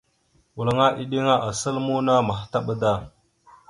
Walŋa eɗiŋa asal muuna mahətaɓ da.